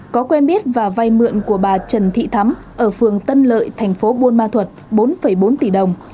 có quen biết và vay mượn của bà trần thị thắm ở phường tân lợi thành phố buôn ma thuật bốn bốn tỷ đồng